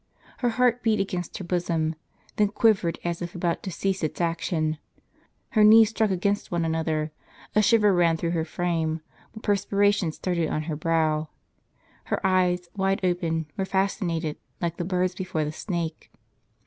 Her heart beat against her bosom, then quivered as if about to cease its action; her knees struck against one another, a shiver ran through her frame, while perspiration started on her brow. Her eyes, wide open, were fascinated, like the bird's before the snake.